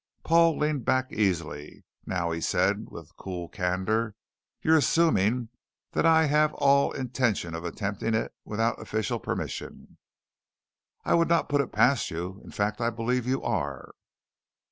Paul leaned back easily. "Now," he said with cool candor, "you're assuming that I have all intention of attempting it without official permission." "I would not put it past you. In fact I believe you are."